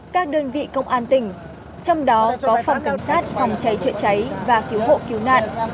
các đơn vị công an tỉnh trong đó có phòng cảnh sát phòng cháy chữa cháy và cứu hộ cứu nạn